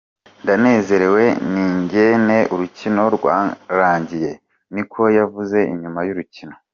"Ndanezerejwe n'ingene urukino rwarangiye," niko yavuze inyuma y'urukino.